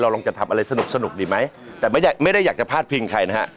เราลองจะทำอะไรสนุกดีไหมแต่ไม่ได้อยากจะพลาดพิงใครนะฮะ